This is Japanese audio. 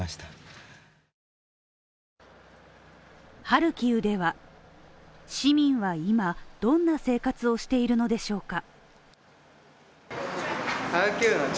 ハルキウでは市民は今どんな生活をしているのでしょうか？